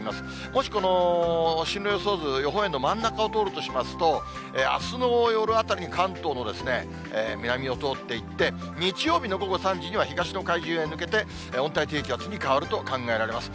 もしこの進路予想図、予報円の真ん中を通るとしますと、あすの夜あたりに関東の南を通っていって、日曜日の午後３時には東の海上へ抜けて、温帯低気圧に変わると考えられます。